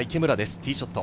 ティーショット。